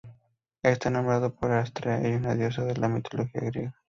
Está nombrado por Astrea, una diosa de la mitología griega.